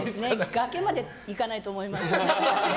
崖まで行かないと思います。